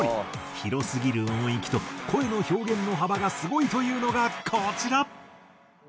広すぎる音域と声の表現の幅がすごいというのがこちら。